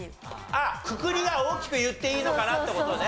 ああくくりが大きく言っていいのかなって事ね。